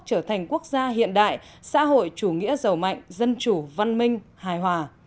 trở thành quốc gia hiện đại xã hội chủ nghĩa giàu mạnh dân chủ văn minh hài hòa